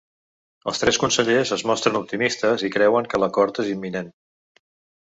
Els tres consellers es mostren optimistes i creuen que l’acord és imminent.